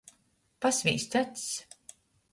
Pasvīst acs.